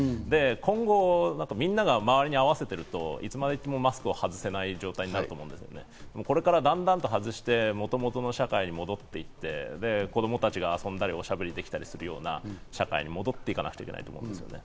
今後みんなが周りに合わせていると、いつまでもマスクを外せない状態になると思うので、これからだんだんと外して、もともとの社会に戻って、子供たちが遊んだりおしゃべりできたりするような社会に戻っていかなくちゃいけないと思いますね。